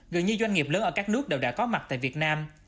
gần như doanh nghiệp lớn ở các nước đều đã có mặt tại việt nam